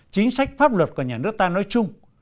chính sách pháp luật của nhà nước ta nói chung